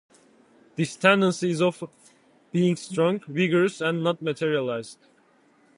This tendency is of being strong, vigorous and not materialized.